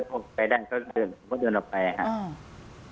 แล้วผมไปได้เขาก็เดินผมก็เดินออกไปฮะอืม